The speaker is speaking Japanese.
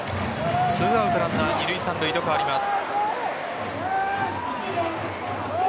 ２アウトランナー二塁・三塁と変わります。